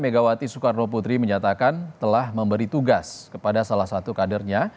megawati soekarno putri menyatakan telah memberi tugas kepada salah satu kadernya